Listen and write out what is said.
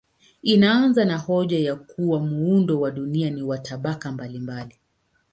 Inaanza na hoja ya kuwa muundo wa dunia ni wa tabaka mbalimbali.